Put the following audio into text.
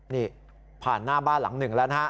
นี่ผ่านหน้าบ้านหลังหนึ่งแล้วนะฮะ